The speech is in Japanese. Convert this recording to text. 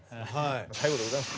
最後でございます。